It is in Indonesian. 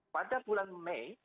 pada bulan mei